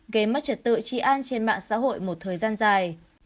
gây mất trật tự trị an trên mạng xã hội một thời gian dài